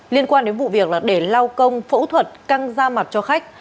liên quan đến vụ việc để lau công phẫu thuật căng da mặt cho khách